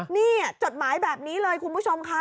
นี่จดหมายแบบนี้เลยคุณผู้ชมค่ะ